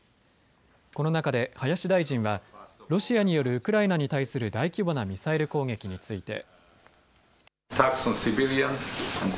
この中で林大臣はロシアによるウクライナに対する大規模なミサイル攻撃について。